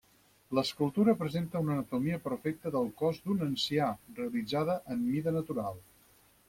L'escultura presenta una anatomia perfecta del cos d'un ancià, realitzada en mida natural.